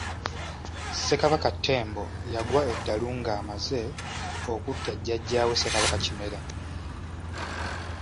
Ssekabaka Ttembo yagwa eddalu nga amaze okutta jjaja we Ssekabaka Kimera.